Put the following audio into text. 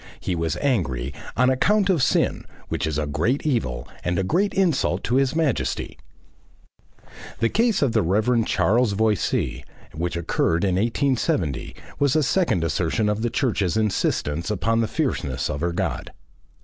He was angry "on account of Sin, which is a great evil and a great insult to His Majesty." The case of the Rev. Charles Voysey, which occurred in 1870, was a second assertion of the Church's insistence upon the fierceness of her God.